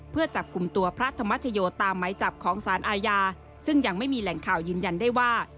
เพื่อจับกลุ่มตัวพระธรรมชโยตามไหมจับของสารอาญาซึ่งยังไม่มีแหล่งข่าวยืนยันได้ว่า